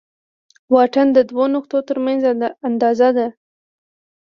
واټن د دوو نقطو تر منځ اندازه ده.